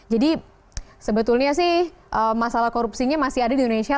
jadi sebetulnya sih masalah korupsinya masih ada di indonesia